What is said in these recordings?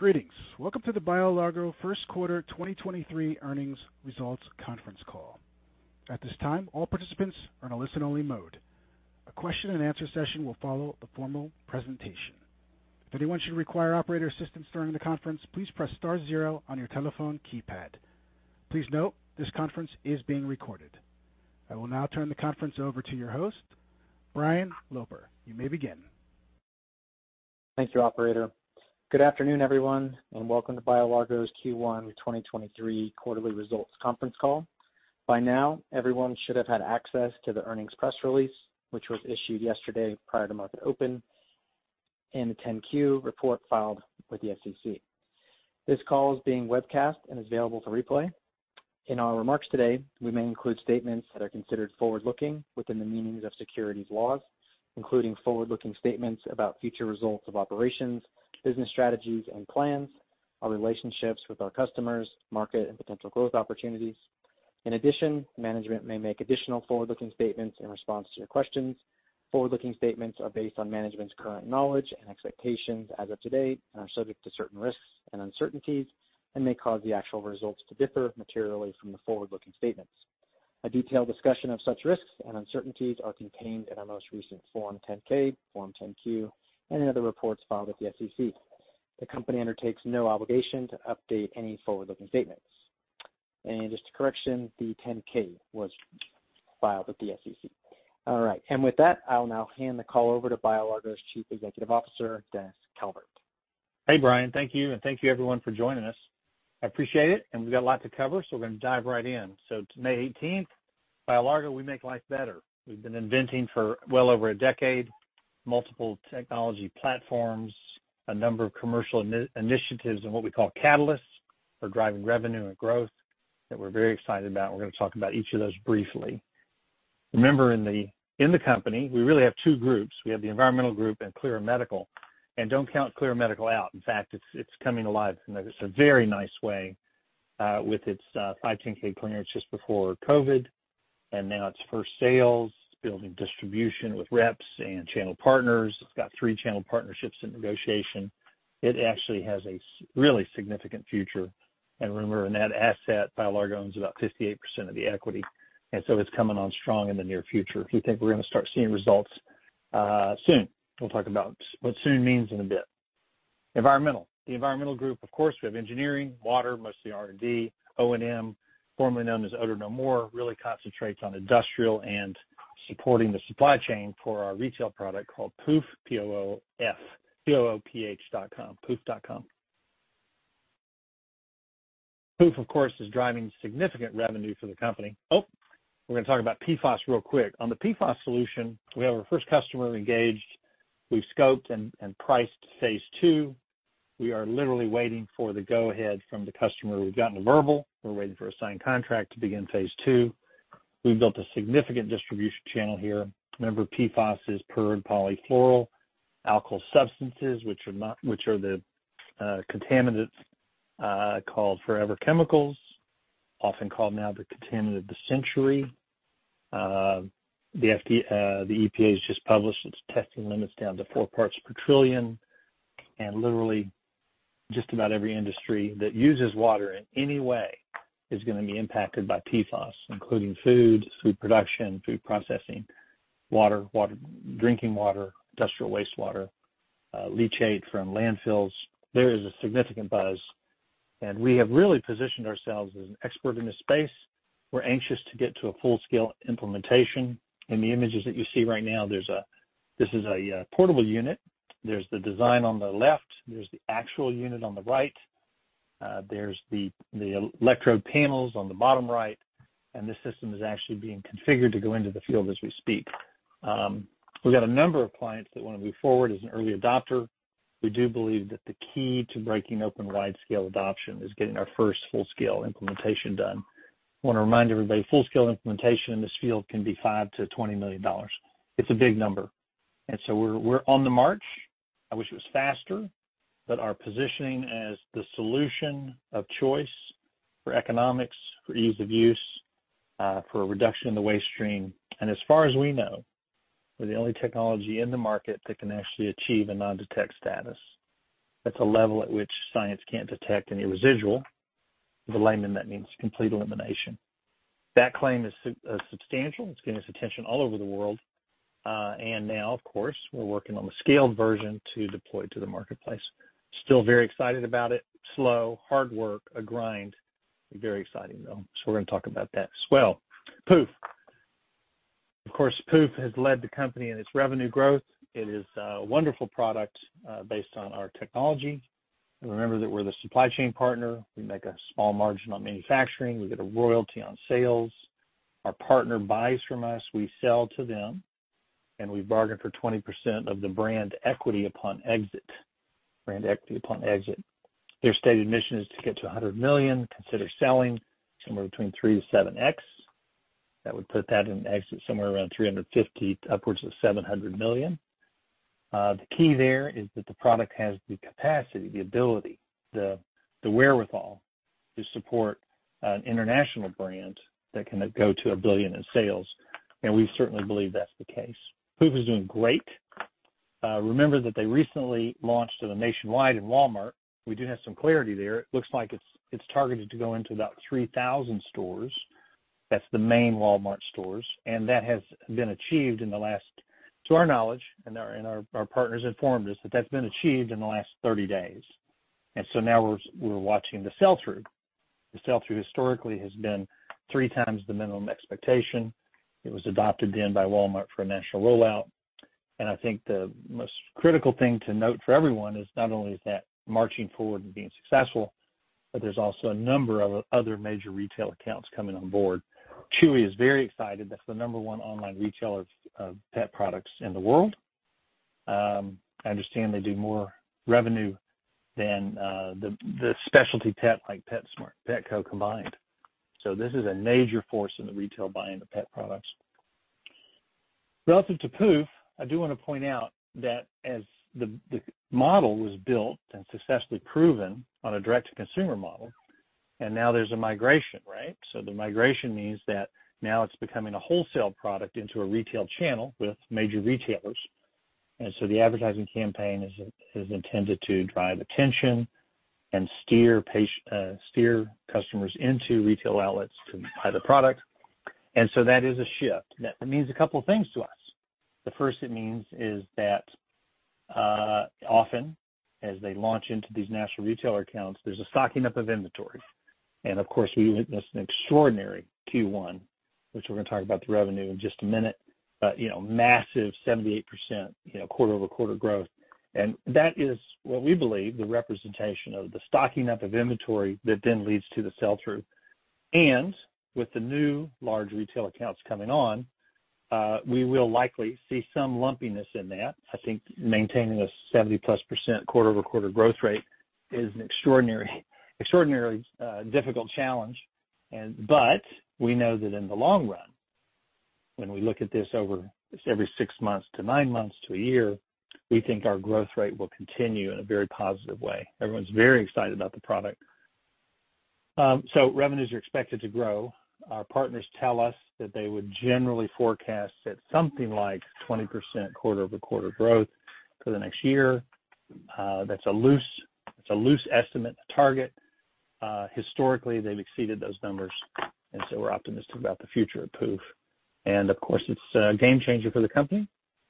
Greetings. Welcome to the BioLargo First Quarter 2023 Earnings Results Conference Call. At this time, all participants are in a listen-only mode. A question-and-answer session will follow the formal presentation. If anyone should require operator assistance during the conference, please press star zero on your telephone keypad. Please note, this conference is being recorded. I will now turn the conference over to your host, Brian Loper. You may begin. Thank you, operator. Good afternoon, everyone, and welcome to BioLargo's Q1 2023 quarterly results conference call. By now, everyone should have had access to the earnings press release, which was issued yesterday prior to market open, and the 10-Q report filed with the SEC. This call is being webcast and is available for replay. In our remarks today, we may include statements that are considered forward-looking within the meanings of securities laws, including forward-looking statements about future results of operations, business strategies and plans, our relationships with our customers, market, and potential growth opportunities. In addition, management may make additional forward-looking statements in response to your questions. Forward-looking statements are based on management's current knowledge and expectations as of today and are subject to certain risks and uncertainties and may cause the actual results to differ materially from the forward-looking statements. A detailed discussion of such risks and uncertainties are contained in our most recent Form 10-K, Form 10-Q, and in other reports filed with the SEC. The company undertakes no obligation to update any forward-looking statements. Just a correction, the 10-K was filed with the SEC. All right, with that, I'll now hand the call over to BioLargo's Chief Executive Officer, Dennis Calvert. Hey, Brian, thank you. Thank you everyone for joining us. I appreciate it. We've got a lot to cover, so we're gonna dive right in. It's May 18th. BioLargo, we make life better. We've been inventing for well over a decade, multiple technology platforms, a number of commercial initiatives, and what we call catalysts for driving revenue and growth that we're very excited about. We're gonna talk about each of those briefly. Remember, in the company, we really have two groups. We have the environmental group and Clyra Medical. Don't count Clyra Medical out. In fact, it's coming alive in a very nice way, with its 510(k) clearance just before COVID, and now its first sales. It's building distribution with reps and channel partners. It's got three channel partnerships in negotiation. It actually has a really significant future. Remember, in that asset, BioLargo owns about 58% of the equity, it's coming on strong in the near future. We think we're gonna start seeing results soon. We'll talk about what soon means in a bit. Environmental. The environmental group, of course, we have engineering, water, mostly R&D. ONM, formerly known as Odor-No-More, really concentrates on industrial and supporting the supply chain for our retail product called Pooph, P-O-O-F, pooph.com, pooph.com. Pooph, of course, is driving significant revenue for the company. We're gonna talk about PFAS real quick. On the PFAS solution, we have our first customer engaged. We've scoped and priced phase II. We are literally waiting for the go ahead from the customer. We've gotten a verbal. We're waiting for a signed contract to begin phase II. We've built a significant distribution channel here. Remember, PFAS is per- and polyfluoroalkyl substances, which are the contaminants called forever chemicals, often called now the contaminant of the century. The EPA has just published its testing limits down to four parts per trillion. Literally just about every industry that uses water in any way is gonna be impacted by PFAS, including food production, food processing, water, drinking water, industrial wastewater, leachate from landfills. There is a significant buzz, and we have really positioned ourselves as an expert in this space. We're anxious to get to a full-scale implementation. In the images that you see right now, This is a portable unit. There's the design on the left. There's the actual unit on the right. There's the electrode panels on the bottom right. This system is actually being configured to go into the field as we speak. We've got a number of clients that wanna move forward as an early adopter. We do believe that the key to breaking open wide scale adoption is getting our first full-scale implementation done. Wanna remind everybody, full-scale implementation in this field can be $5 million-$20 million. It's a big number. We're on the march. I wish it was faster, our positioning as the solution of choice for economics, for ease of use, for a reduction in the waste stream. As far as we know, we're the only technology in the market that can actually achieve a non-detect status. That's a level at which science can't detect any residual. For the layman, that means complete elimination. That claim is substantial. It's getting its attention all over the world. Now, of course, we're working on the scaled version to deploy to the marketplace. Still very excited about it. Slow, hard work, a grind. Very exciting though. We're gonna talk about that as well. Pooph. Of course, Pooph has led the company in its revenue growth. It is a wonderful product, based on our technology. Remember that we're the supply chain partner. We make a small margin on manufacturing. We get a royalty on sales. Our partner buys from us, we sell to them, and we bargain for 20% of the brand equity upon exit. Brand equity upon exit. Their stated mission is to get to $100 million, consider selling somewhere between 3x-7x. That would put that in exit somewhere around $350 million upwards of $700 million. The key there is that the product has the capacity, the ability, the wherewithal to support international brands that can go to $1 billion in sales, and we certainly believe that's the case. Pooph is doing great. Remember that they recently launched to the nationwide in Walmart. We do have some clarity there. It looks like it's targeted to go into about 3,000 stores. That's the main Walmart stores, and that has been achieved in the last, to our knowledge, and our partners informed us that that's been achieved in the last 30 days. Now we're watching the sell-through. The sell-through historically has been three times the minimum expectation. It was adopted then by Walmart for a national rollout. I think the most critical thing to note for everyone is not only is that marching forward and being successful, but there's also a number of other major retail accounts coming on board. Chewy is very excited. That's the number one online retailer of pet products in the world. I understand they do more revenue than the specialty pet like PetSmart, Petco combined. This is a major force in the retail buying of pet products. Relative to Pooph, I do wanna point out that as the model was built and successfully proven on a direct-to-consumer model, and now there's a migration, right? The migration means that now it's becoming a wholesale product into a retail channel with major retailers. The advertising campaign is intended to drive attention and steer customers into retail outlets to buy the product. That is a shift. That means a couple things to us. The first it means is that, often, as they launch into these national retailer accounts, there's a stocking up of inventory. Of course, we witnessed an extraordinary Q1, which we're gonna talk about the revenue in just a minute. You know, massive 78%, you know, quarter-over-quarter growth. That is what we believe the representation of the stocking up of inventory that then leads to the sell-through. With the new large retail accounts coming on, we will likely see some lumpiness in that. I think maintaining a 70%+ quarter-over-quarter growth rate is an extraordinary, difficult challenge. We know that in the long run, when we look at this over every six months to nine months to a year, we think our growth rate will continue in a very positive way. Everyone's very excited about the product. Revenues are expected to grow. Our partners tell us that they would generally forecast at something like 20% quarter-over-quarter growth for the next year. That's a loose estimate, a target. Historically, they've exceeded those numbers, we're optimistic about the future of Pooph. Of course, it's a game changer for the company.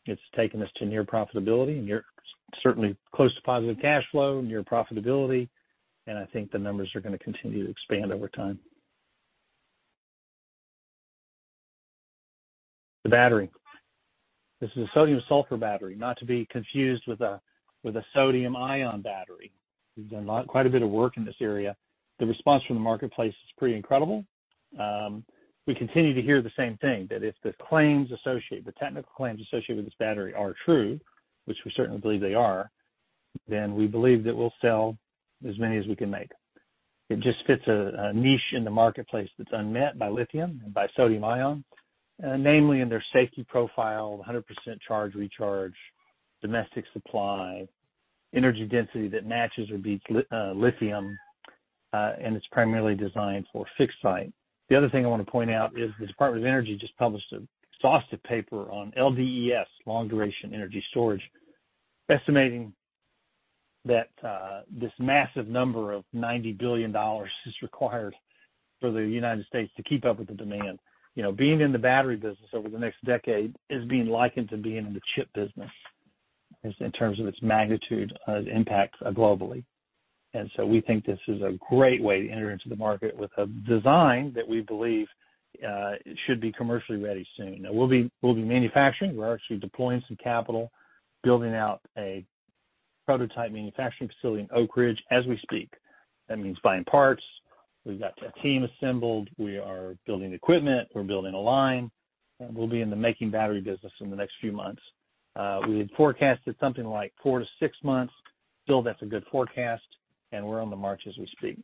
It's taken us to near profitability, near, certainly close to positive cash flow, near profitability, and I think the numbers are gonna continue to expand over time. The battery. This is a sodium-sulfur battery, not to be confused with a sodium-ion battery. We've done quite a bit of work in this area. The response from the marketplace is pretty incredible. We continue to hear the same thing, that if the claims associated, the technical claims associated with this battery are true, which we certainly believe they are, then we believe that we'll sell as many as we can make. It just fits a niche in the marketplace that's unmet by lithium and by sodium ion, namely in their safety profile, 100% charge recharge, domestic supply, energy density that matches or beats lithium, and it's primarily designed for fixed site. The other thing I want to point out is the Department of Energy just published an exhaustive paper on LDES, Long Duration Energy Storage, estimating that this massive number of $90 billion is required for the United States to keep up with the demand. You know, being in the battery business over the next decade is being likened to being in the chip business in terms of its magnitude of impact globally. We think this is a great way to enter into the market with a design that we believe should be commercially ready soon. We'll be manufacturing. We're actually deploying some capital, building out a prototype manufacturing facility in Oak Ridge as we speak. That means buying parts. We've got a team assembled. We are building equipment. We're building a line. We'll be in the making battery business in the next few months. We had forecasted something like 4-6 months. Still, that's a good forecast, and we're on the march as we speak.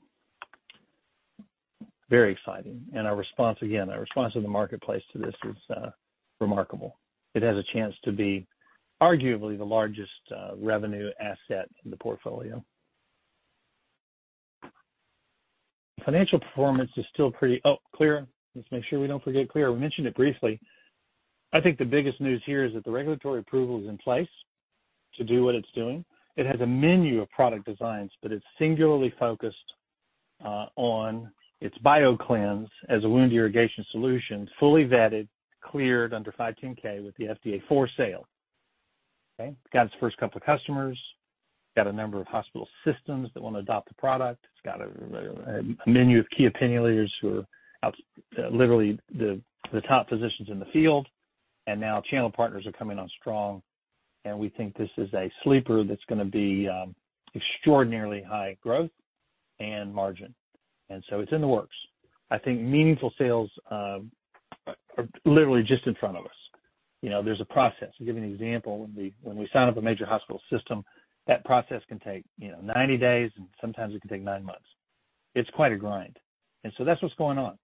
Very exciting. Our response, again, our response in the marketplace to this is remarkable. It has a chance to be arguably the largest revenue asset in the portfolio. Financial performance is still pretty. Oh, Clyra Let's make sure we don't forget Clyra. We mentioned it briefly. I think the biggest news here is that the regulatory approval is in place to do what it's doing. It has a menu of product designs, but it's singularly focused on its BioClynse as a wound irrigation solution, fully vetted, cleared under 510(k) with the FDA for sale. Okay? Got its first couple of customers, got a number of hospital systems that wanna adopt the product. It's got a menu of key opinion leaders literally the top physicians in the field. Now channel partners are coming on strong. We think this is a sleeper that's gonna be extraordinarily high growth and margin. It's in the works. I think meaningful sales are literally just in front of us. You know, there's a process. To give you an example, when we sign up a major hospital system, that process can take, you know, 90 days, and sometimes it can take nine months. It's quite a grind. That's what's going on.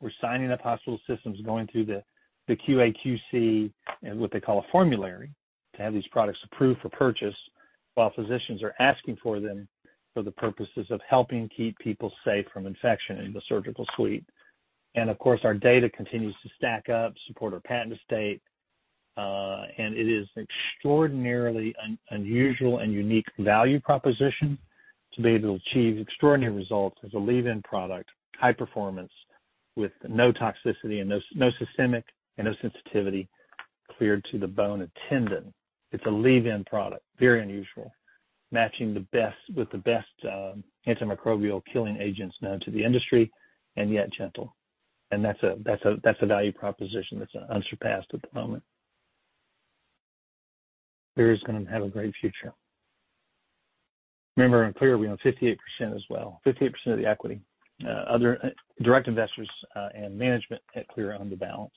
We're signing up hospital systems going through the QAQC and what they call a formulary to have these products approved for purchase while physicians are asking for them for the purposes of helping keep people safe from infection in the surgical suite. Of course, our data continues to stack up, support our patent estate, and it is extraordinarily unusual and unique value proposition to be able to achieve extraordinary results as a leave-in product, high performance with no toxicity and no systemic and no sensitivity, cleared to the bone and tendon. It's a leave-in product, very unusual, matching with the best antimicrobial killing agents known to the industry and yet gentle. That's a value proposition that's unsurpassed at the moment. Clyra is gonna have a great future. Remember on Clyra, we own 58% as well, 58% of the equity. Other direct investors and management at Clyra own the balance.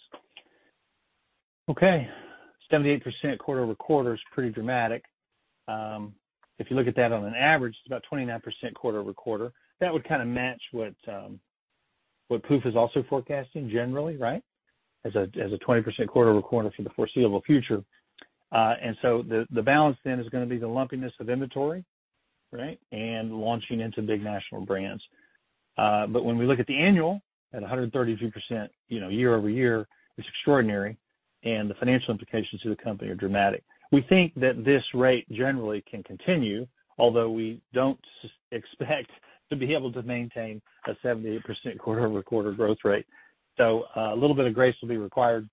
Okay. 78% quarter-over-quarter is pretty dramatic. If you look at that on an average, it's about 29% quarter-over-quarter. That would kinda match what Pooph is also forecasting generally, right? As a 20% quarter-over-quarter for the foreseeable future. The balance then is gonna be the lumpiness of inventory, right, and launching into big national brands. When we look at the annual at 132%, you know, year-over-year, it's extraordinary, and the financial implications to the company are dramatic. We think that this rate generally can continue, although we don't expect to be able to maintain a 78% quarter-over-quarter growth rate. A little bit of grace will be required,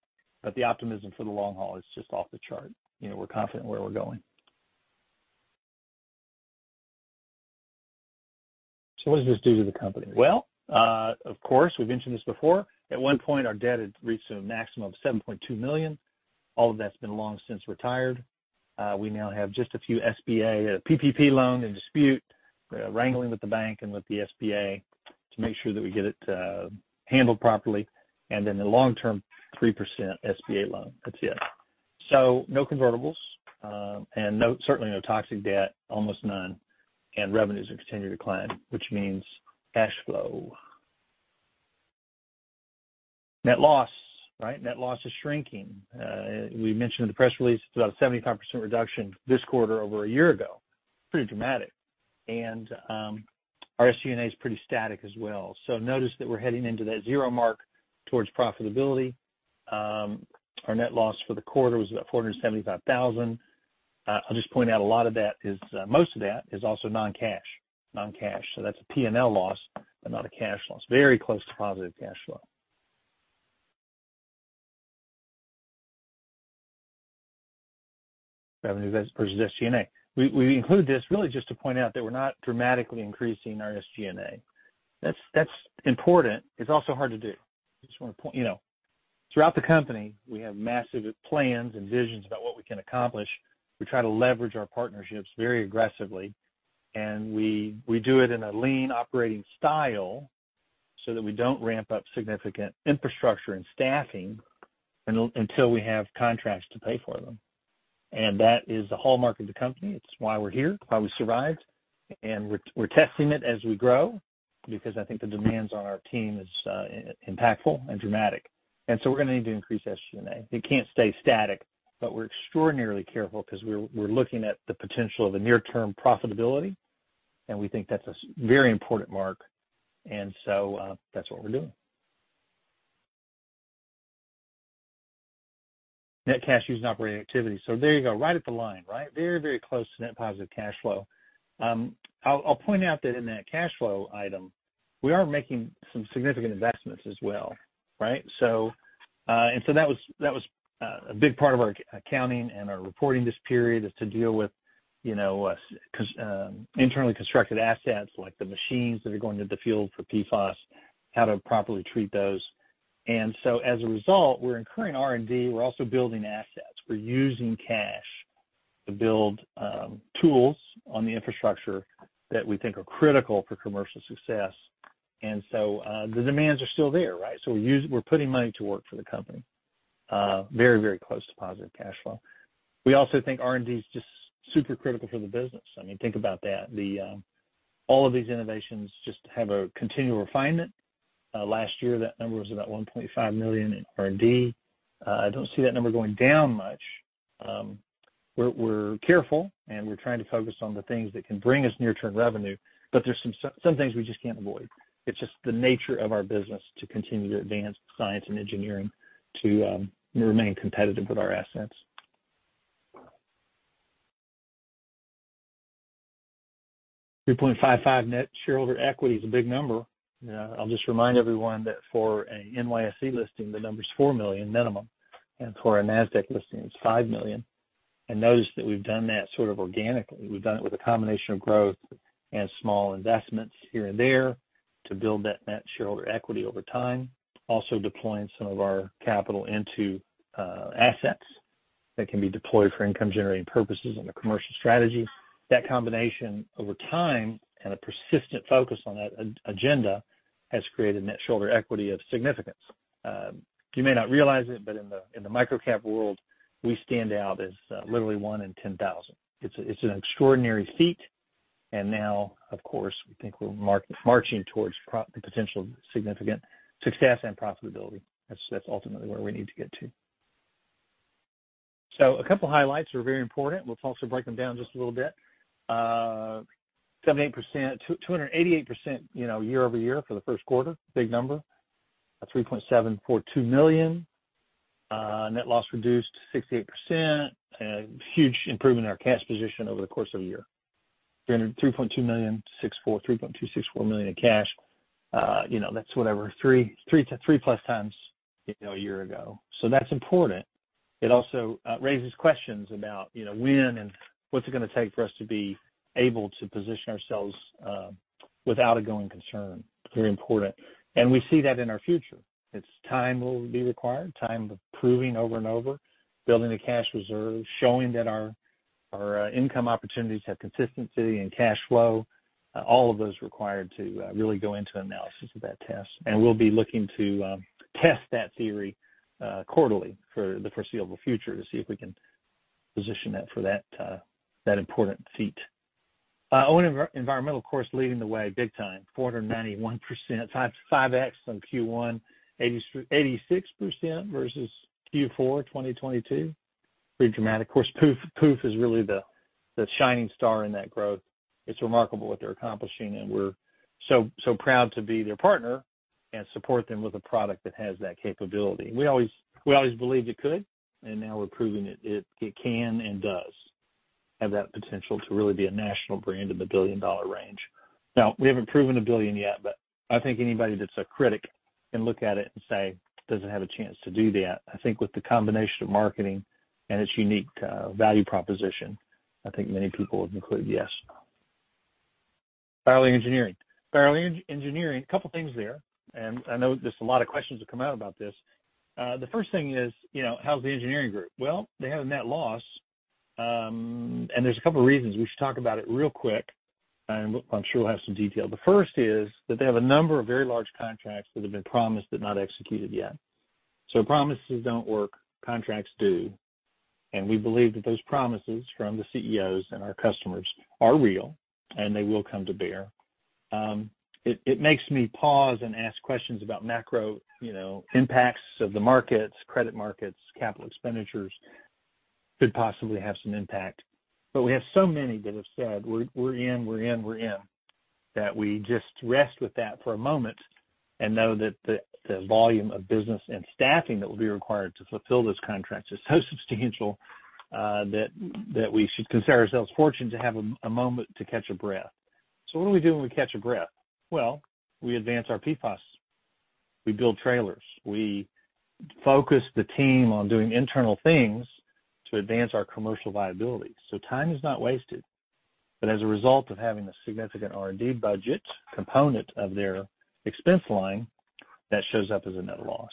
but the optimism for the long haul is just off the chart. You know, we're confident where we're going. What does this do to the company? Well, of course, we've mentioned this before. At one point, our debt had reached a maximum of $7.2 million. All of that's been long since retired. We now have just a few SBA PPP loan in dispute, wrangling with the bank and with the SBA to make sure that we get it handled properly. And then the long-term 3% SBA loan. That's it. No convertibles, certainly no toxic debt, almost none. Revenues are continued to climb, which means cash flow. Net loss, right? Net loss is shrinking. We mentioned in the press release it's about a 75% reduction this quarter over a year ago. Pretty dramatic. Our SG&A is pretty static as well. Notice that we're heading into that zero mark towards profitability. Our net loss for the quarter was about $475,000. I'll just point out a lot of that is, most of that is also non-cash. Non-cash. So that's a P&L loss but not a cash loss. Very close to positive cash flow. Revenue versus SG&A. We include this really just to point out that we're not dramatically increasing our SG&A. That's important. It's also hard to do. I just wanna point... You know, throughout the company we have massive plans and visions about what we can accomplish. We try to leverage our partnerships very aggressively, and we do it in a lean operating style so that we don't ramp up significant infrastructure and staffing until we have contracts to pay for them. That is the hallmark of the company. It's why we're here, why we survived. And we're testing it as we grow because I think the demands on our team is impactful and dramatic. We're gonna need to increase SG&A. It can't stay static, but we're extraordinarily careful 'cause we're looking at the potential of the near term profitability, and we think that's a very important mark. That's what we're doing. Net cash using operating activity. There you go, right at the line, right? Very, very close to net positive cash flow. I'll point out that in that cash flow item we are making some significant investments as well, right? That was a big part of our accounting and our reporting this period is to deal with internally constructed assets like the machines that are going into the field for PFAS, how to properly treat those. As a result, we're incurring R&D. We're also building assets. We're using cash to build tools on the infrastructure that we think are critical for commercial success. The demands are still there, right? We're putting money to work for the company, very, very close to positive cash flow. We also think R&D is just super critical for the business. I mean, think about that. The all of these innovations just have a continual refinement. Last year, that number was about $1.5 million in R&D. I don't see that number going down much. We're careful, and we're trying to focus on the things that can bring us near-term revenue. There's some things we just can't avoid. It's just the nature of our business to continue to advance science and engineering to remain competitive with our assets. $3.55 net shareholder equity is a big number. I'll just remind everyone that for a NYSE listing, the number's $4 million minimum, and for a Nasdaq listing it's $5 million. Notice that we've done that sort of organically. We've done it with a combination of growth and small investments here and there to build that net shareholder equity over time. Also deploying some of our capital into assets that can be deployed for income-generating purposes on the commercial strategy. That combination over time and a persistent focus on that agenda has created net shareholder equity of significance. You may not realize it, but in the micro-cap world, we stand out as literally one in 10,000. It's an extraordinary feat. Now, of course, we think we're marching towards the potential significant success and profitability. That's ultimately where we need to get to. A couple highlights are very important. We'll also break them down just a little bit. 78%... 288%, you know, year-over-year for the first quarter, big number. A $3.742 million. Net loss reduced to 68%. Huge improvement in our cash position over the course of a year. $302.2 million, $3.264 million in cash. you know, that's whatever, three to 3+ times, you know, a year ago. That's important. It also raises questions about, you know, when and what's it gonna take for us to be able to position ourselves without a going concern. Very important. We see that in our future. It's time will be required, time of proving over and over, building the cash reserve, showing that our income opportunities have consistency and cash flow. All of those required to really go into analysis of that test. We'll be looking to test that theory quarterly for the foreseeable future to see if we can position that for that important feat. ONM Environmental, of course, leading the way big time, 491%, 5X on Q1, 86% versus Q4 2022. Pretty dramatic. Of course, Pooph is really the shining star in that growth. It's remarkable what they're accomplishing, and we're so proud to be their partner and support them with a product that has that capability. We always believed it could, and now we're proving it can and does have that potential to really be a national brand of a billion-dollar range. Now, we haven't proven $1 billion yet, but I think anybody that's a critic can look at it and say, "Does it have a chance to do that?" I think with the combination of marketing and its unique value proposition, I think many people would conclude, yes. BioLargo Engineering. BioLargo Engineering, couple things there, and I know there's a lot of questions that come out about this. The first thing is, you know, how's the engineering group? Well, they have a net loss, and there's a couple reasons. We should talk about it real quick, and I'm sure we'll have some detail. The first is that they have a number of very large contracts that have been promised but not executed yet. Promises don't work, contracts do. We believe that those promises from the CEOs and our customers are real, and they will come to bear. It makes me pause and ask questions about macro, you know, impacts of the markets, credit markets, capital expenditures could possibly have some impact. We have so many that have said, "We're, we're in, we're in, we're in," that we just rest with that for a moment and know that the volume of business and staffing that will be required to fulfill those contracts is so substantial that we should consider ourselves fortunate to have a moment to catch a breath. What do we do when we catch a breath? Well, we advance our PFAS. We build trailers. We focus the team on doing internal things to advance our commercial viability. Time is not wasted. As a result of having a significant R&D budget component of their expense line, that shows up as a net loss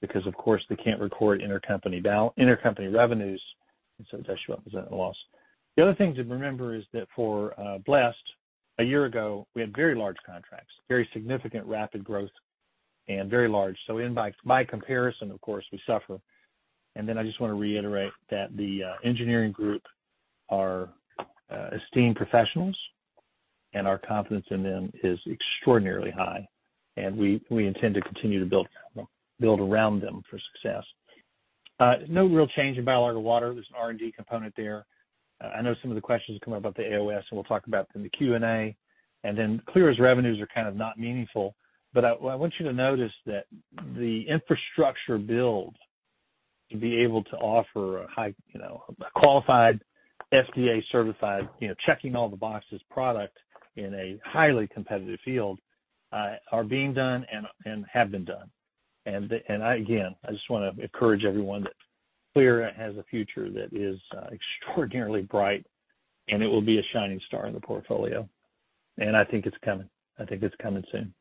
because, of course, they can't record intercompany revenues. It does show up as a net loss. The other thing to remember is that for BLEST, a year ago, we had very large contracts, very significant rapid growth and very large. By comparison, of course, we suffer. I just wanna reiterate that the engineering group are esteemed professionals, and our confidence in them is extraordinarily high, and we intend to continue to build around them for success. No real change in BioLargo Water. There's an R&D component there. I know some of the questions come up about the AOS, and we'll talk about them in the Q&A. Clyra's revenues are kind of not meaningful. I want you to notice that the infrastructure build to be able to offer a high, you know, a qualified FDA-certified, you know, checking all the boxes product in a highly competitive field, are being done and have been done. I, again, I just wanna encourage everyone that Clyra has a future that is extraordinarily bright, and it will be a shining star in the portfolio. I think it's coming. I think it's coming soon.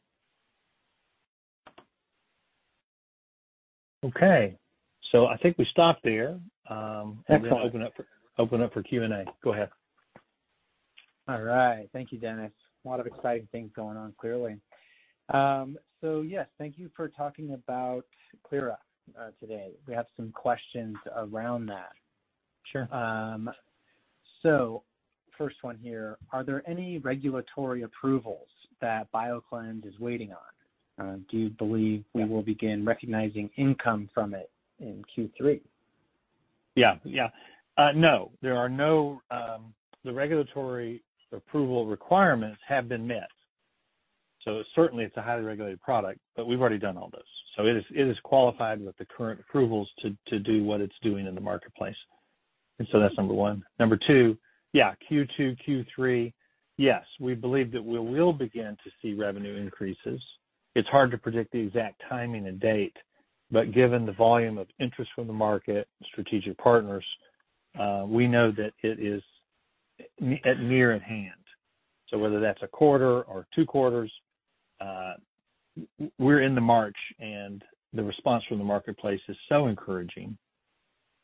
Okay. I think we stop there. Excellent. Open up for Q&A. Go ahead. All right. Thank you, Dennis. A lot of exciting things going on, clearly. Yes, thank you for talking about Clyra, today. We have some questions around that. Sure. First one here, are there any regulatory approvals that BioClynse is waiting on? Do you believe we will begin recognizing income from it in Q3? Yeah. Yeah. No, there are no. The regulatory approval requirements have been met. Certainly it's a highly regulated product, but we've already done all this. It is qualified with the current approvals to do what it's doing in the marketplace. That's number one. Number two, yeah, Q2, Q3, yes, we believe that we will begin to see revenue increases. It's hard to predict the exact timing and date, but given the volume of interest from the market and strategic partners, we know that it is at near at hand. Whether that's one quarter or two quarters, we're in the march, the response from the marketplace is so encouraging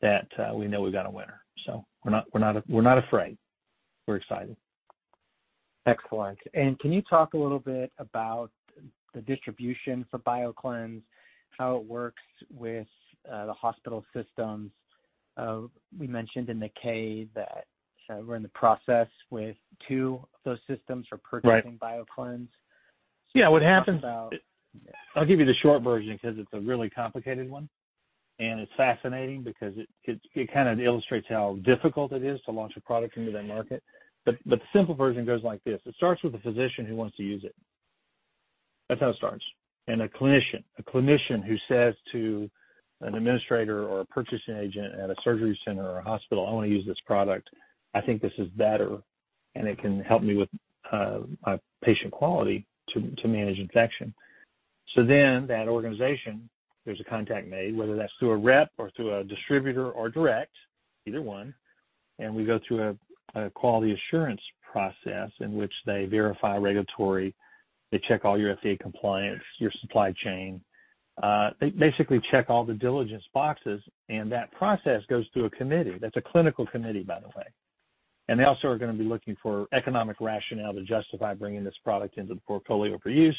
that we know we've got a winner. We're not afraid. We're excited. Excellent. Can you talk a little bit about the distribution for BioClynse, how it works with the hospital systems? We mentioned in the K that we're in the process with two of those systems. Right. -for purchasing BioClynse. Yeah, what happens... Talk about... I'll give you the short version because it's a really complicated one, and it's fascinating because it kind of illustrates how difficult it is to launch a product into that market. The simple version goes like this: It starts with a physician who wants to use it. That's how it starts. A clinician who says to an administrator or a purchasing agent at a surgery center or a hospital, "I wanna use this product. I think this is better, and it can help me with my patient quality to manage infection." That organization, there's a contact made, whether that's through a rep or through a distributor or direct, either one, and we go through a quality assurance process in which they verify regulatory. They check all your FDA compliance, your supply chain. They basically check all the diligence boxes, that process goes through a committee. That's a clinical committee, by the way. They also are gonna be looking for economic rationale to justify bringing this product into the portfolio for use.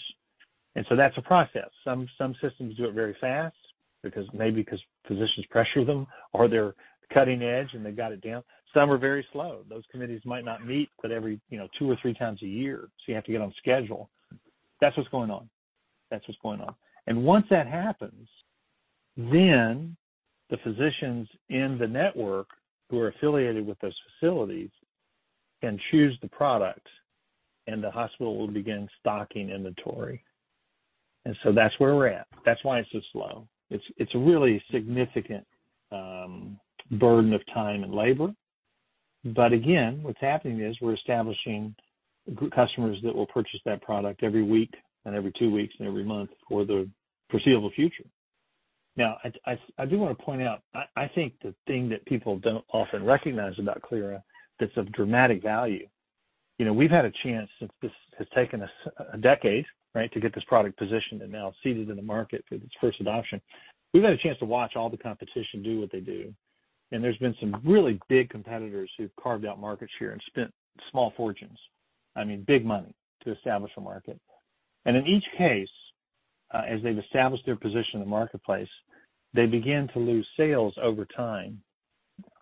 That's a process. Some systems do it very fast because maybe 'cause physicians pressure them or they're cutting edge and they've got it down. Some are very slow. Those committees might not meet but every, you know, two or three times a year, so you have to get on schedule. That's what's going on. That's what's going on. Once that happens, then the physicians in the network who are affiliated with those facilities can choose the product, and the hospital will begin stocking inventory. That's where we're at. That's why it's so slow. It's a really significant burden of time and labor. Again, what's happening is we're establishing group customers that will purchase that product every week and every two weeks and every month for the foreseeable future. I do wanna point out, I think the thing that people don't often recognize about Clyra that's of dramatic value, you know, we've had a chance since this has taken us a decade, right? To get this product positioned and now seeded in the market for its first adoption. We've had a chance to watch all the competition do what they do, and there's been some really big competitors who've carved out market share and spent small fortunes, I mean, big money to establish a market. In each case, as they've established their position in the marketplace, they begin to lose sales over time,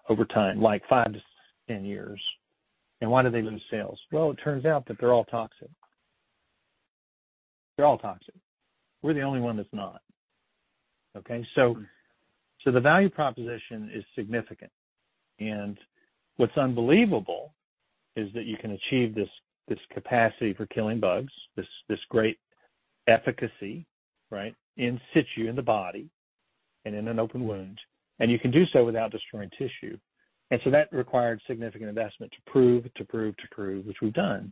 like 5-10 years. Why do they lose sales? Well, it turns out that they're all toxic. They're all toxic. We're the only one that's not. Okay? The value proposition is significant. What's unbelievable is that you can achieve this capacity for killing bugs, this great efficacy, right? In situ, in the body and in an open wound, and you can do so without destroying tissue. That required significant investment to prove, which we've done.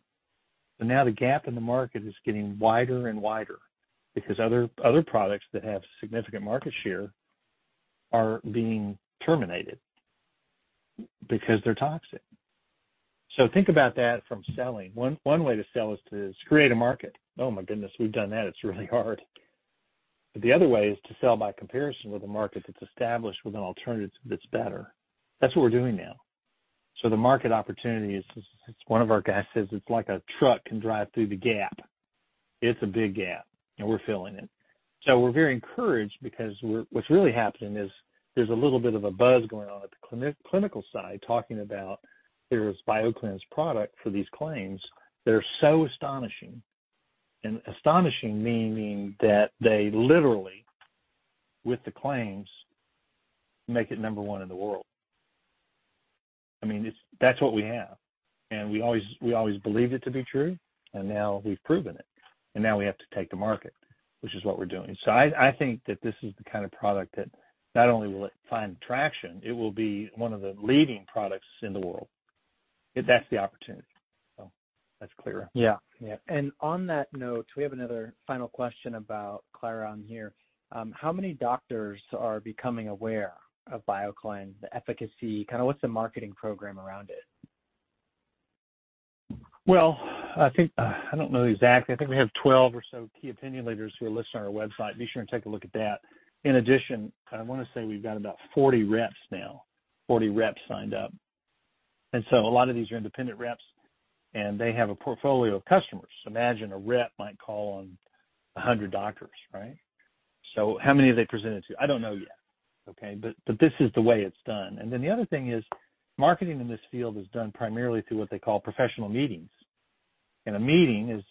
Now the gap in the market is getting wider and wider because other products that have significant market share are being terminated because they're toxic. Think about that from selling. One way to sell is to create a market. Oh my goodness, we've done that. It's really hard. The other way is to sell by comparison with a market that's established with an alternative that's better. That's what we're doing now. The market opportunity is, as one of our guys says, it's like a truck can drive through the gap. It's a big gap, and we're filling it. We're very encouraged because what's really happening is there's a little bit of a buzz going on at the clinical side, talking about Clyra's BioClynse product for these claims that are so astonishing. Astonishing meaning that they literally, with the claims, make it number one in the world. I mean, it's. That's what we have. We always believed it to be true, and now we've proven it, and now we have to take the market, which is what we're doing. I think that this is the kind of product that not only will it find traction, it will be one of the leading products in the world. That's the opportunity. That's Clyra. Yeah. Yeah. On that note, we have another final question about Clyra on here. How many doctors are becoming aware of BioClynse, the efficacy? Kinda what's the marketing program around it? Well, I think, I don't know exactly. I think we have 12 or so key opinion leaders who are listed on our website. Be sure and take a look at that. In addition, I want to say we've got about 40 reps now, 40 reps signed up. A lot of these are independent reps, and they have a portfolio of customers. Imagine a rep might call on 100 doctors, right? How many have they presented to? I don't know yet, okay. But this is the way it's done. The other thing is, marketing in this field is done primarily through what they call professional meetings. A meeting is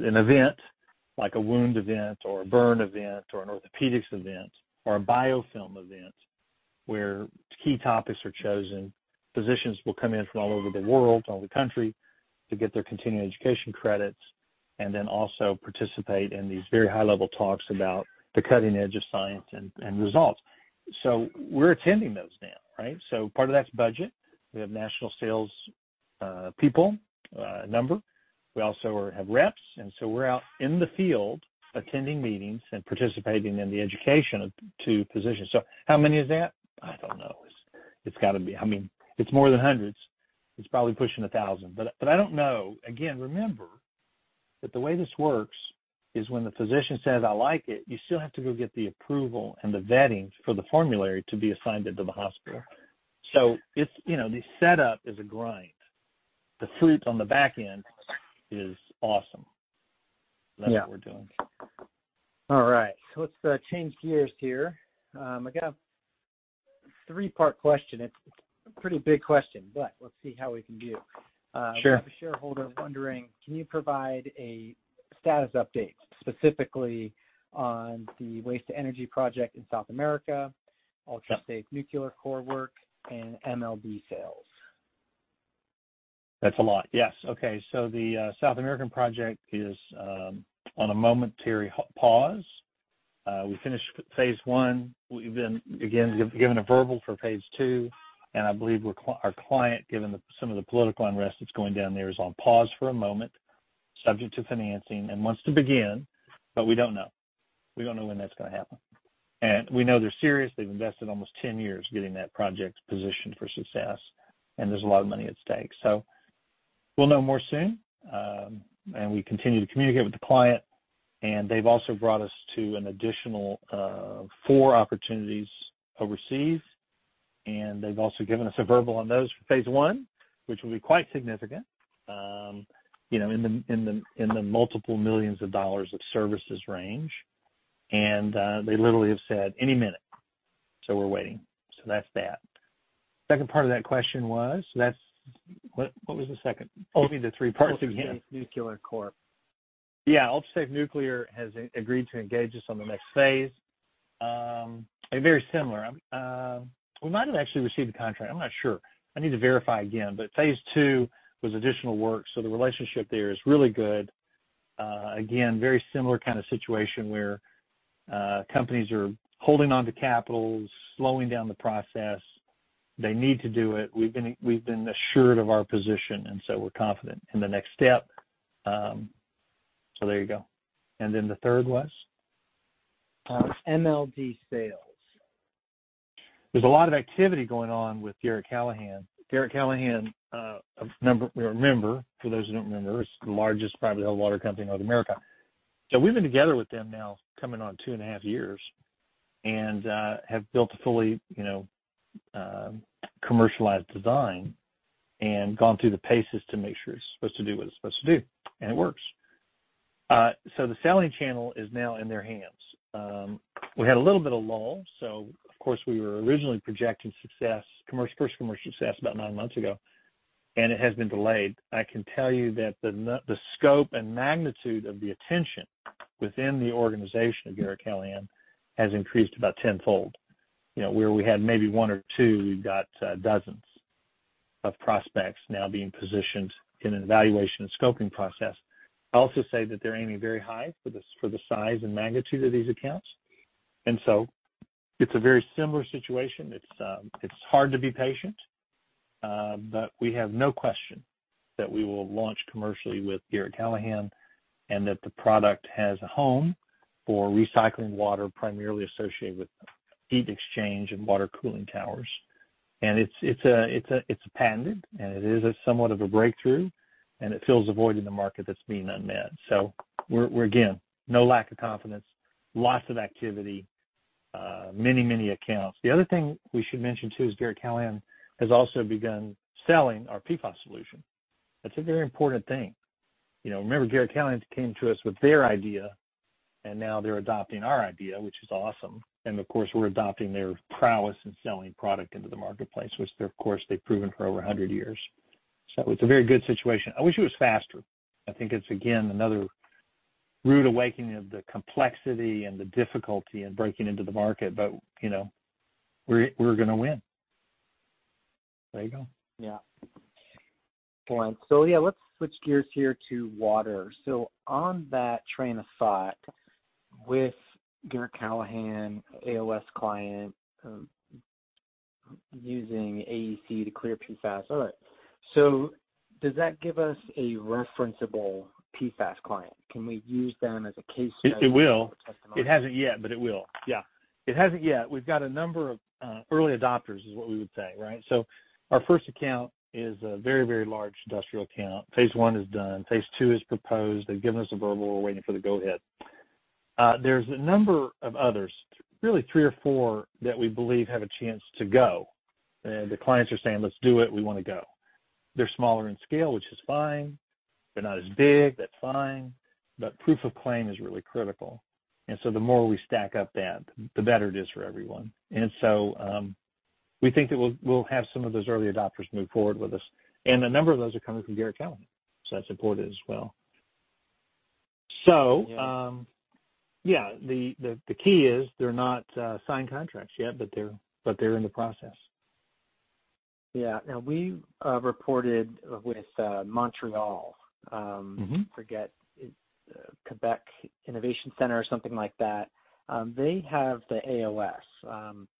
an event like a wound event or a burn event or an orthopedics event or a biofilm event, where key topics are chosen. Physicians will come in from all over the world, all over the country, to get their continuing education credits and then also participate in these very high-level talks about the cutting edge of science and results. We're attending those now, right? Part of that's budget. We have national sales people number. We also have reps, we're out in the field attending meetings and participating in the education to physicians. How many is that? I don't know. It's, it's gotta be-- I mean, it's more than hundreds. It's probably pushing 1,000, but I don't know. Again, the way this works is when the physician says, "I like it," you still have to go get the approval and the vetting for the formulary to be assigned into the hospital. It's, you know, the setup is a grind. The fruit on the back end is awesome. Yeah. That's what we're doing. All right. Let's change gears here. I got a 3-part question. It's a pretty big question, but let's see how we can do. Sure. We have a shareholder wondering, can you provide a status update, specifically on the waste-to-energy project in South America? Sure... Ultra Safe Nuclear Corp. work and MLD sales? That's a lot. Yes. Okay. The South American project is on a momentary pause. We finished phase I. We've been, again, given a verbal for phase II, and I believe our client, given the, some of the political unrest that's going down there, is on pause for a moment, subject to financing and wants to begin, but we don't know. We don't know when that's gonna happen. We know they're serious. They've invested almost 10 years getting that project positioned for success, and there's a lot of money at stake. We'll know more soon. We continue to communicate with the client, and they've also brought us to an additional four opportunities overseas, and they've also given us a verbal on those for phase I, which will be quite significant, you know, in the multiple millions of dollars of services range. They literally have said any minute, so we're waiting. That's that. Second part of that question was? What was the second? Give me the three parts again. Ultra Safe Nuclear Corp. Yeah. Ultra Safe Nuclear has agreed to engage us on the next phase. Very similar. We might have actually received a contract. I'm not sure. I need to verify again. Phase II was additional work, so the relationship there is really good. Again, very similar kind of situation where companies are holding onto capital, slowing down the process. They need to do it. We've been assured of our position, and so we're confident in the next step. So there you go. The third was? MLD sales. There's a lot of activity going on with Garratt-Callahan. Garratt-Callahan, a member, for those who don't remember, is the largest privately held water company in North America. We've been together with them now coming on II and a half years and have built a fully, you know, commercialized design and gone through the paces to make sure it's supposed to do what it's supposed to do, and it works. The selling channel is now in their hands. We had a little bit of lull, of course, we were originally projecting first commercial success about nine months ago, and it has been delayed. I can tell you that the scope and magnitude of the attention within the organization of Garratt-Callahan has increased about tenfold. You know, where we had maybe one or two, we've got dozens of prospects now being positioned in an evaluation and scoping process. I'll also say that they're aiming very high for the, for the size and magnitude of these accounts. It's a very similar situation. It's hard to be patient, but we have no question that we will launch commercially with Garratt-Callahan and that the product has a home for recycling water primarily associated with heat exchange and water cooling towers. It's patented, and it is a somewhat of a breakthrough, and it fills a void in the market that's been unmet. We're, again, no lack of confidence, lots of activity, many accounts. The other thing we should mention too is Garratt-Callahan has also begun selling our PFAS solution. That's a very important thing. You know, remember Garratt-Callahan came to us with their idea. Now they're adopting our idea, which is awesome. Of course, we're adopting their prowess in selling product into the marketplace, which they, of course, they've proven for over 100 years. It's a very good situation. I wish it was faster. I think it's, again, another rude awakening of the complexity and the difficulty in breaking into the market, you know, we're gonna win. There you go. Yeah. Excellent. Yeah, let's switch gears here to water. On that train of thought with Garratt-Callahan, AOS client, using AEC to clear PFAS. All right. Does that give us a referenceable PFAS client? Can we use them as a case study? It will. Testimony. It hasn't yet, it will. Yeah. It hasn't yet. We've got a number of early adopters, is what we would say, right? Our first account is a very, very large industrial account. Phase I is done. PhaseII is proposed. They've given us a verbal. We're waiting for the go ahead. There's a number of others, really three or four, that we believe have a chance to go. The clients are saying, "Let's do it. We wanna go." They're smaller in scale, which is fine. They're not as big. That's fine. Proof of claim is really critical. The more we stack up that, the better it is for everyone. We think that we'll have some of those early adopters move forward with us. A number of those are coming from Garratt-Callahan, so that's important as well. So- Yeah. Yeah, the key is they're not signed contracts yet, but they're in the process. Yeah. Now, we reported with Montreal. Mm-hmm. I forget. It's Quebec Innovation Center or something like that. They have the AOS.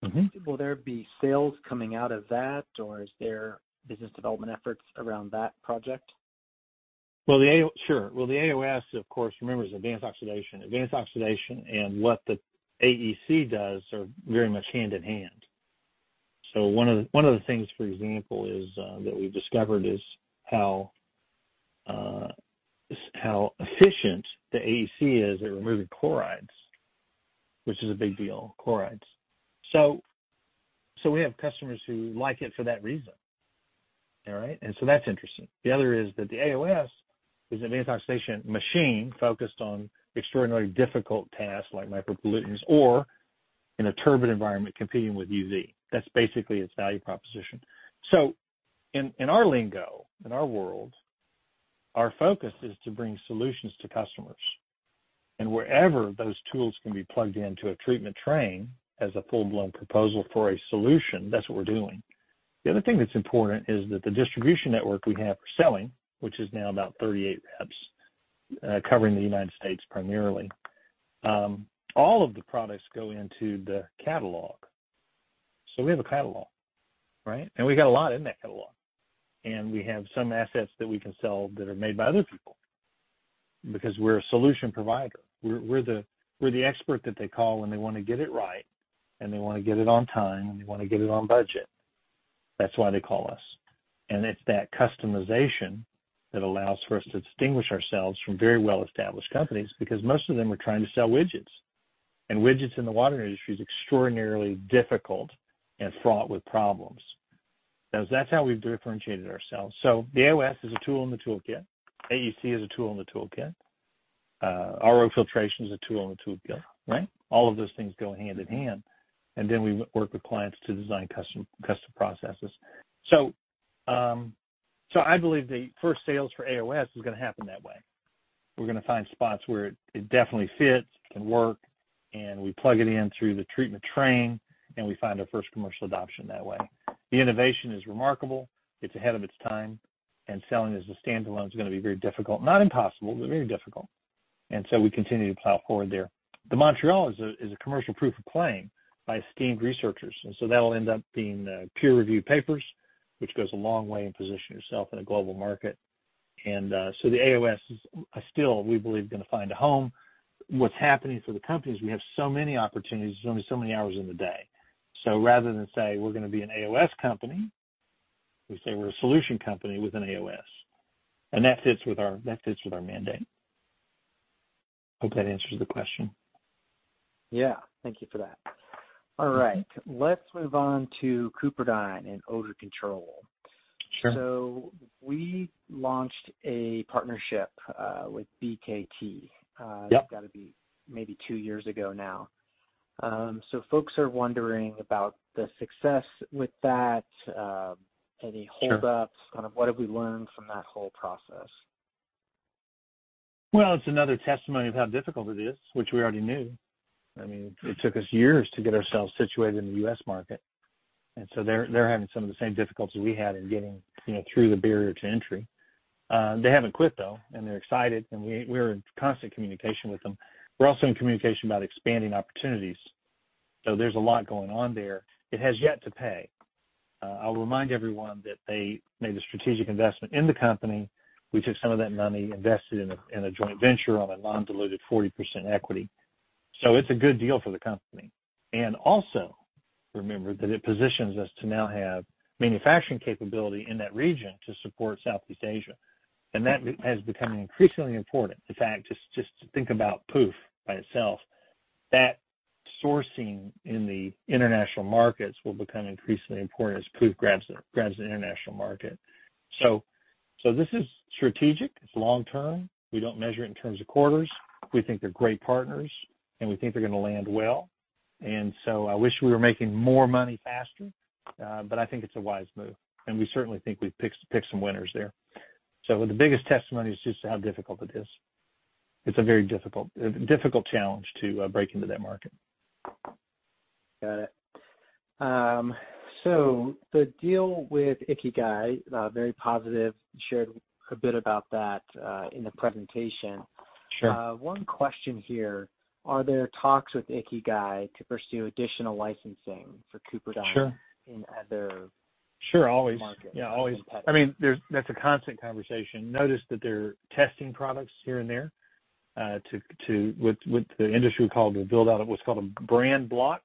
Mm-hmm. Will there be sales coming out of that, or is there business development efforts around that project? Sure. The AOS, of course, remember, is Advanced Oxidation. Advanced Oxidation and what the AEC does are very much hand in hand. One of the things, for example, is that we've discovered is how efficient the AEC is at removing chlorides, which is a big deal, chlorides. We have customers who like it for that reason. All right? That's interesting. The other is that the AOS is an antioxidants machine focused on extraordinarily difficult tasks like micropollutants or in a turbine environment, competing with UV. That's basically its value proposition. In our lingo, in our world, our focus is to bring solutions to customers. Wherever those tools can be plugged into a treatment train as a full-blown proposal for a solution, that's what we're doing. The other thing that's important is that the distribution network we have for selling, which is now about 38 reps, covering the United States primarily, all of the products go into the catalog. We have a catalog, right? We got a lot in that catalog. We have some assets that we can sell that are made by other people because we're a solution provider. We're the expert that they call when they wanna get it right, and they wanna get it on time, and they wanna get it on budget. That's why they call us. It's that customization that allows for us to distinguish ourselves from very well-established companies because most of them are trying to sell widgets. Widgets in the water industry is extraordinarily difficult and fraught with problems. That's how we've differentiated ourselves. The AOS is a tool in the toolkit. AEC is a tool in the toolkit. RO filtration is a tool in the toolkit, right? All of those things go hand in hand. We work with clients to design custom processes. I believe the first sales for AOS is gonna happen that way. We're gonna find spots where it definitely fits, can work, and we plug it in through the treatment train, and we find our first commercial adoption that way. The innovation is remarkable. It's ahead of its time, and selling as a standalone is gonna be very difficult. Not impossible, but very difficult. We continue to plow forward there. The Montreal is a commercial proof of claim by esteemed researchers, and so that'll end up being peer review papers, which goes a long way in positioning yourself in a global market. The AOS is still, we believe, gonna find a home. What's happening for the company is we have so many opportunities. There's only so many hours in the day. Rather than say we're gonna be an AOS company, we say we're a solution company with an AOS. That fits with our mandate. Hope that answers the question. Yeah. Thank you for that. All right. Let's move on to CupriDyne and odor control. Sure. We launched a partnership with BKT. Yep. That's gotta be maybe two years ago now. Folks are wondering about the success with that, any holdups. Sure. Kind of what have we learned from that whole process? Well, it's another testimony of how difficult it is, which we already knew. I mean, it took us years to get ourselves situated in the U.S. market. They're having some of the same difficulties we had in getting, you know, through the barrier to entry. They haven't quit, though, and they're excited and we're in constant communication with them. We're also in communication about expanding opportunities. There's a lot going on there. It has yet to pay. I'll remind everyone that they made a strategic investment in the company. We took some of that money, invested in a joint venture on a non-diluted 40% equity. It's a good deal for the company. Remember that it positions us to now have manufacturing capability in that region to support Southeast Asia, and that has become increasingly important. In fact, just to think about Pooph by itself, that sourcing in the international markets will become increasingly important as Pooph grabs the international market. This is strategic. It's long-term. We don't measure it in terms of quarters. We think they're great partners, and we think they're gonna land well. I wish we were making more money faster, but I think it's a wise move, and we certainly think we've picked some winners there. The biggest testimony is just how difficult it is. It's a very difficult challenge to break into that market. Got it. The deal with Ikigai, very positive. You shared a bit about that, in the presentation. Sure. one question here: Are there talks with Ikigai to pursue additional licensing for CupriDyne? Sure in other markets? Sure. Always. Yeah, always. I mean, that's a constant conversation. Notice that they're testing products here and there, to, with the industry we call the build out of what's called a brand block.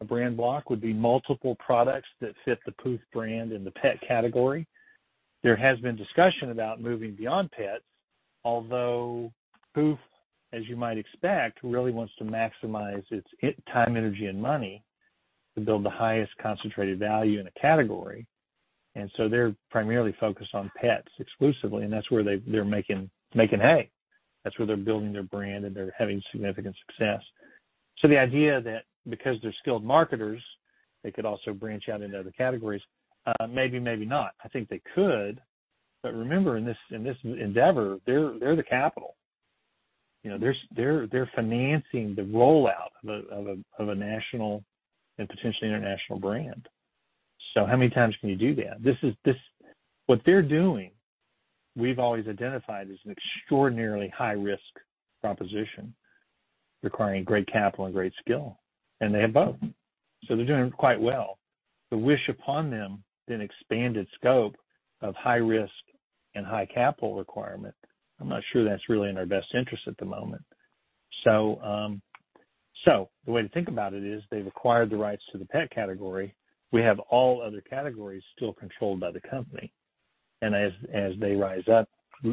A brand block would be multiple products that fit the Pooph brand in the pet category. There has been discussion about moving beyond pets, although Pooph, as you might expect, really wants to maximize its time, energy, and money to build the highest concentrated value in a category. They're primarily focused on pets exclusively, and that's where they're making hay. That's where they're building their brand, and they're having significant success. The idea that because they're skilled marketers, they could also branch out into other categories, maybe not. I think they could. Remember, in this endeavor, they're the capital. You know, they're financing the rollout of a national and potentially international brand. How many times can you do that? What they're doing, we've always identified as an extraordinarily high-risk proposition requiring great capital and great skill, and they have both. They're doing quite well. The wish upon them, an expanded scope of high risk and high capital requirement, I'm not sure that's really in our best interest at the moment. The way to think about it is they've acquired the rights to the pet category. We have all other categories still controlled by the company. As they rise up,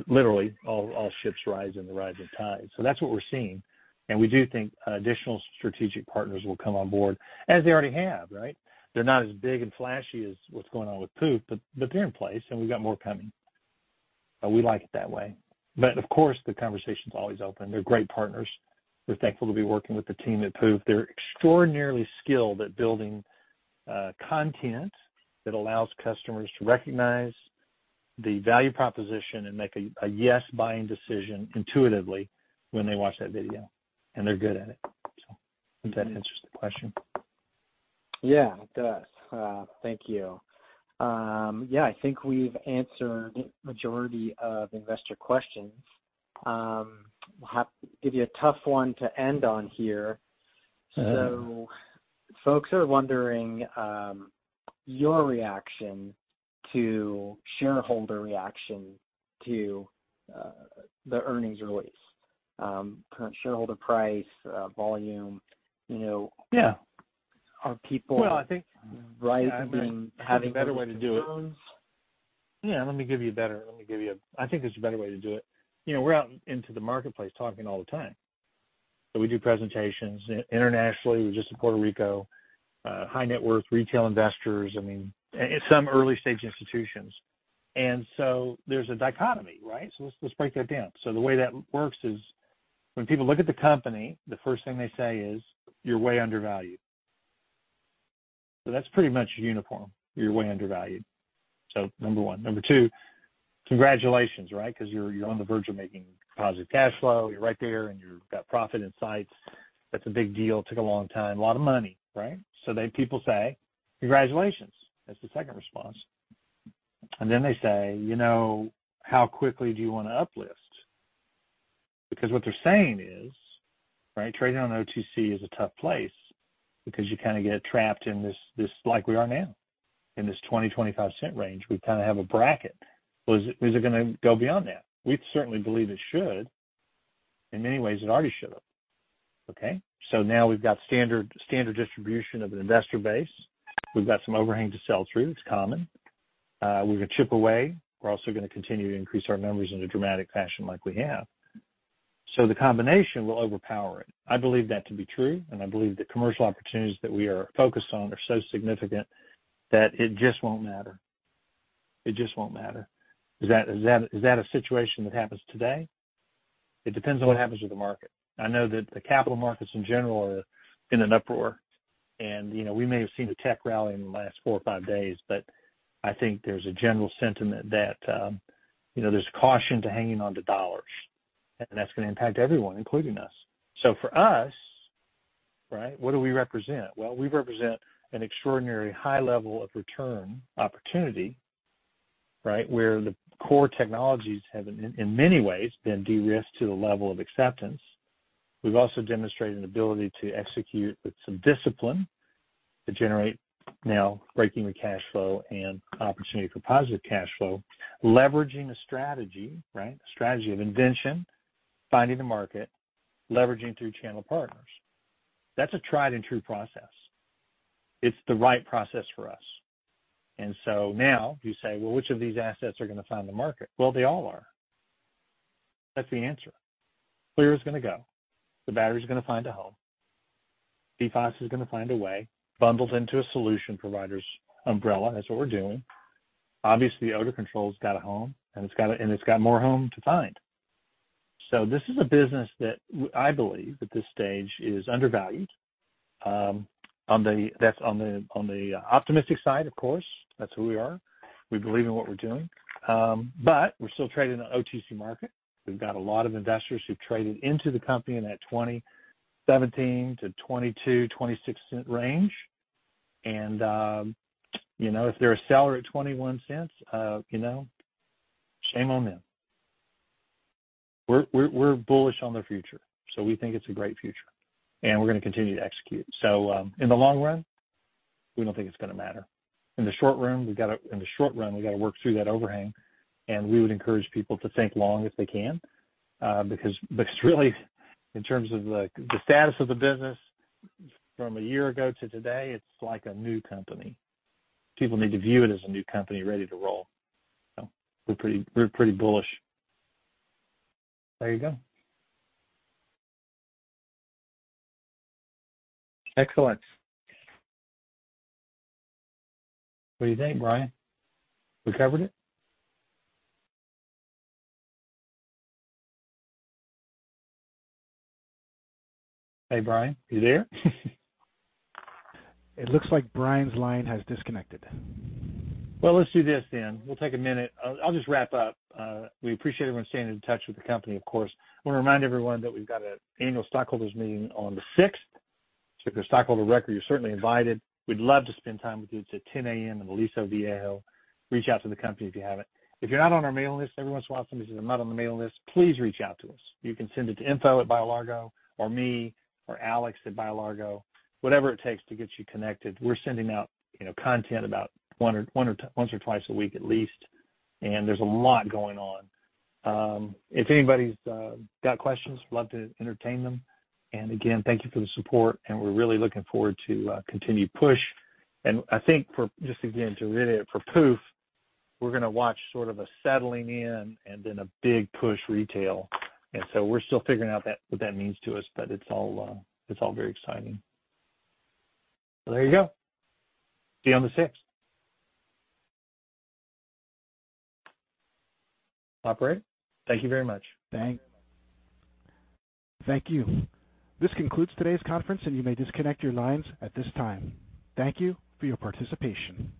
literally, all ships rise in the rising tide. That's what we're seeing. We do think additional strategic partners will come on board, as they already have, right? They're not as big and flashy as what's going on with Pooph, but they're in place, and we've got more coming. We like it that way. Of course, the conversation's always open. They're great partners. We're thankful to be working with the team at Pooph. They're extraordinarily skilled at building content that allows customers to recognize the value proposition and make a yes buying decision intuitively when they watch that video, and they're good at it. I think that answers the question. It does. Thank you. I think we've answered majority of investor questions. We'll have to give you a tough one to end on here. Uh-huh. Folks are wondering, your reaction to shareholder reaction to the earnings release, current shareholder price, volume, you know? Yeah. Are people- Well. rising and having There's a better way to do it. I think there's a better way to do it. You know, we're out into the marketplace talking all the time. We do presentations internationally. We're just in Puerto Rico, high net worth retail investors. I mean, some early-stage institutions. There's a dichotomy, right? Let's break that down. The way that works is when people look at the company, the first thing they say is, "You're way undervalued." That's pretty much uniform. You're way undervalued. Number one. Number two, congratulations, right? 'Cause you're on the verge of making positive cash flow. You're right there, and you're-- got profit in sights. That's a big deal. Took a long time, a lot of money, right? People say, "Congratulations." That's the second response. They say, "You know, how quickly do you wanna uplist?" Because what they're saying is, right, trading on OTC is a tough place because you kinda get trapped in this, like we are now, in this $0.20-$0.25 range. We kinda have a bracket. Well, is it gonna go beyond that? We certainly believe it should. In many ways it already should have. Okay. Now we've got standard distribution of an investor base. We've got some overhang to sell through. It's common. We're gonna chip away. We're also gonna continue to increase our numbers in a dramatic fashion like we have. The combination will overpower it. I believe that to be true, and I believe the commercial opportunities that we are focused on are so significant that it just won't matter. It just won't matter. Is that a situation that happens today? It depends on what happens with the market. I know that the capital markets in general are in an uproar, and, you know, we may have seen a tech rally in the last four or five days, but I think there's a general sentiment that, you know, there's caution to hanging on to dollars. That's gonna impact everyone, including us. For us, right, what do we represent? Well, we represent an extraordinary high level of return opportunity, right, where the core technologies have in many ways been de-risked to the level of acceptance. We've also demonstrated an ability to execute with some discipline, to generate now breaking the cash flow and opportunity for positive cash flow, leveraging a strategy, right, a strategy of invention, finding the market, leveraging through channel partners. That's a tried and true process. It's the right process for us. Now you say, "Well, which of these assets are gonna find the market?" Well, they all are. That's the answer. Clyra is gonna go. The battery's gonna find a home. PFAS is gonna find a way, bundled into a solution provider's umbrella. That's what we're doing. Obviously, odor control's got a home, and it's got more home to find. This is a business that I believe at this stage is undervalued. On the optimistic side, of course. That's who we are. We believe in what we're doing. We're still trading on OTC market. We've got a lot of investors who've traded into the company in that $0.20, $0.17-$0.22, $0.26 range. You know, if they're a seller at $0.21, you know, shame on them. We're bullish on the future, so we think it's a great future, and we're gonna continue to execute. In the long run, we don't think it's gonna matter. In the short run, we gotta work through that overhang, and we would encourage people to think long if they can, because really in terms of the status of the business from a year ago to today, it's like a new company. People need to view it as a new company ready to roll. We're pretty bullish. There you go. Excellent. What do you think, Brian? We covered it? Hey, Brian, you there? It looks like Brian's line has disconnected. Let's do this then. We'll take a minute. I'll just wrap up. We appreciate everyone staying in touch with the company, of course. Wanna remind everyone that we've got an annual stockholders meeting on the sixth. If you're a stockholder of record, you're certainly invited. We'd love to spend time with you. It's at 10:00 A.M. in Aliso Viejo. Reach out to the company if you haven't. If you're not on our mailing list, every once in a while somebody says, "I'm not on the mailing list," please reach out to us. You can send it to info@BioLargo or me or Alex@BioLargo, whatever it takes to get you connected. We're sending out, you know, content about once or twice a week at least, and there's a lot going on. If anybody's got questions, love to entertain them. Again, thank you for the support, and we're really looking forward to continued push. I think for, just again, to reiterate, for Pooph, we're gonna watch sort of a settling in and then a big push retail. We're still figuring out what that means to us, but it's all, it's all very exciting. There you go. See you on the sixth. Operator, thank you very much. Thank you. This concludes today's conference, and you may disconnect your lines at this time. Thank you for your participation.